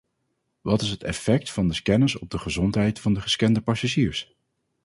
Wat is het effect van de scanners op de gezondheid van de gescande passagiers?